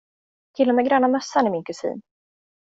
Killen med gröna mössan är min kusin.